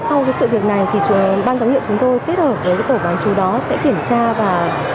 sau sự việc này thì ban giám hiệu chúng tôi kết hợp với tổ bán chú đó sẽ kiểm tra và